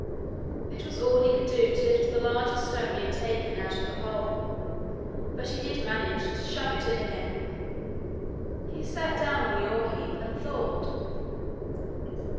It was all he could do to lift the largest stone he had taken out of the hole, but he did manage to shove it in again. He sat down on the ore heap and thought.